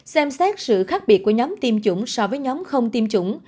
xem xét sự khác biệt của nhóm tiêm chủng so với nhóm không tiêm chủng